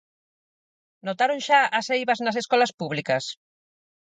Notaron xa as eivas nas escolas públicas?